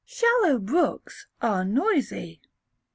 [SHALLOW BROOKS ARE NOISY.